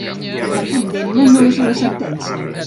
La condemna no és la sentència.